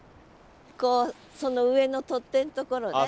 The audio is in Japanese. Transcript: こうその上の取っ手のところね。